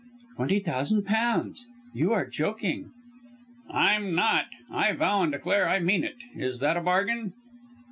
"Twenty thousand pounds! You are joking!" "I'm not. I vow and declare I mean it. Is that a bargain?"